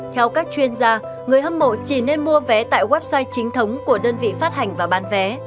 theo các chuyên gia người hâm mộ chỉ nên mua vé tại website chính thống của đơn vị phát hành và bán vé